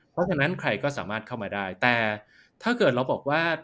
เพราะฉะนั้นใครก็สามารถเข้ามาได้แต่ถ้าเกิดเราบอกว่า